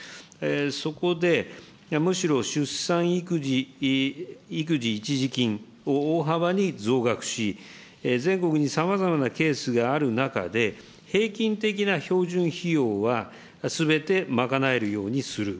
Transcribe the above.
そこで、むしろ出産育児一時金を大幅に増額し、全国にさまざまなケースがある中で、平均的な標準費用はすべて賄えるようにする。